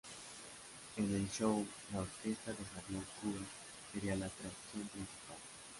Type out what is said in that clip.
En el show, la Orquesta de Xavier Cugat sería la atracción principal.